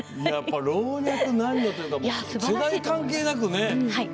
老若男女というか世代関係なくね。